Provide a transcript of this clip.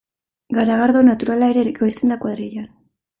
Garagardo naturala ere ekoizten da kuadrillan.